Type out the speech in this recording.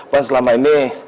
kan selama ini